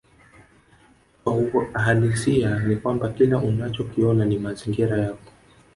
Kwa uhalisia ni kwamba kila unachokiona ni mazingira yako